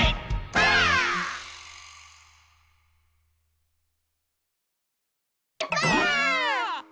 ばあっ！